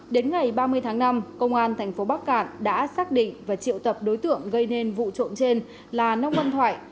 đến ngày ba mươi tháng năm công an thành phố bắc cạn đã xác định và triệu tập đối tượng gây nên vụ trộm trên là nông văn thoại